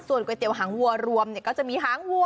ก๋วยเตี๋ยหางวัวรวมก็จะมีหางวัว